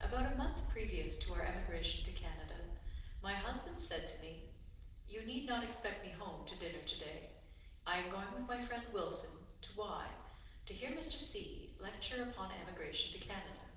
About a month previous to our emigration to Canada, my husband said to me, "You need not expect me home to dinner to day; I am going with my friend Wilson to Y , to hear Mr. C lecture upon emigration to Canada.